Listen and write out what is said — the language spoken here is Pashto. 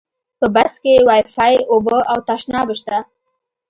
په بس کې وایفای، اوبه او تشناب شته.